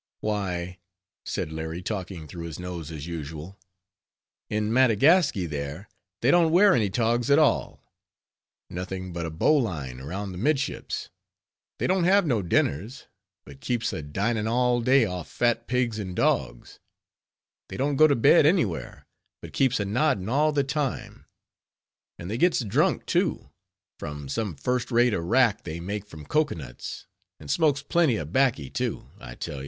"Why," said Larry, talking through his nose, as usual, "in Madagasky there, they don't wear any togs at all, nothing but a bowline round the midships; they don't have no dinners, but keeps a dinin' all day off fat pigs and dogs; they don't go to bed any where, but keeps a noddin' all the time; and they gets drunk, too, from some first rate arrack they make from cocoa nuts; and smokes plenty of 'baccy, too, I tell ye.